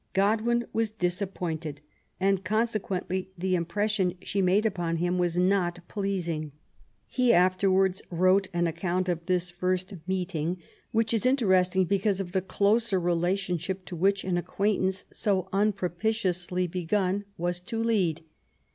Godwin was disappointed, and con sequently the impression she made upon him was not pleasing. He afterwards wrote an account of this first meeting, which is interesting because of the closer relationship to which an acquaintance so unpropitiously begun was to lead.